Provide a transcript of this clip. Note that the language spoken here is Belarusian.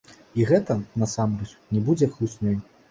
І гэта, насамрэч, не будзе хлуснёй.